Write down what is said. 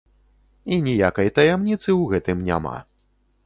І ніякай таямніцы ў гэтым няма.